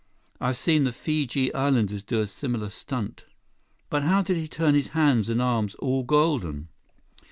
I've seen the Fiji Islanders do a similar stunt." "But how did he turn his hands and arms all golden?"